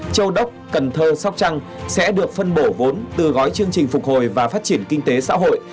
châu đốc cần thơ sóc trăng sẽ được phân bổ vốn từ gói chương trình phục hồi và phát triển kinh tế xã hội